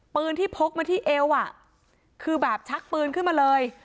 ปืนที่พกมาที่เอวอ่ะคือแบบชักปืนขึ้นมาเลย